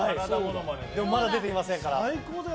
でもまだ出ていませんから。